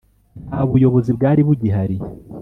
Nta buyobozi bwari bugihari